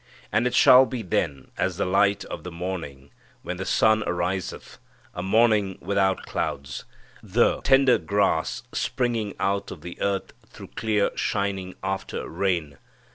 And it shall be then as the light of the morning, When the sun ariseth, A morning without clouds, The tender grass springing out of the earth through clear shining after rain."